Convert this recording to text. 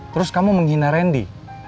terus kamu menghina randy